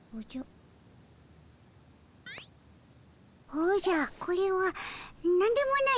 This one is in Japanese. おじゃこれはなんでもない